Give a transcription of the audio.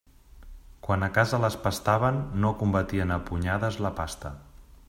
Quan a casa les pastaven, no combatien a punyades la pasta.